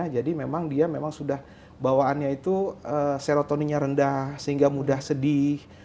jadi memang dia memang sudah bawaannya itu serotoninnya rendah sehingga mudah sedih